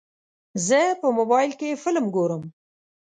زه په موبایل کې فلم ګورم.